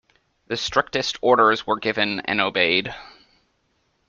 The strictest orders were given and obeyed.